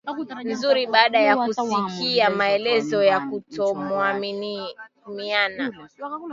nzuri baada ya kusikia maelezo ya kutokuaminiana